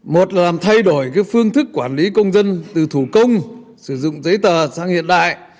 một là thay đổi phương thức quản lý công dân từ thủ công sử dụng giấy tờ sang hiện đại